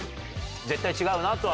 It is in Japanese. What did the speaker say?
絶対違うなとは？